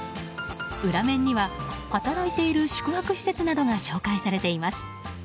裏面には働いている宿泊施設などが紹介されています。